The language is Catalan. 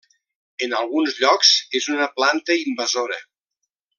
En alguns llocs és una planta invasora.